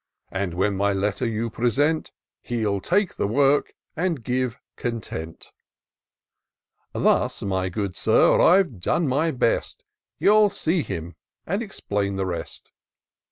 Hor, 268 TOUR OF DOCTOR SYNTAX And when my letter you present, Hell take the work, and give content. Thus, my good Sir, I've done my best : You'll see him and explain the rest."